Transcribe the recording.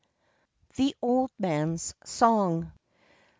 ] THE OLD MAN'S SONG.